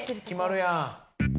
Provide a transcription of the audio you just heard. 決まるやん。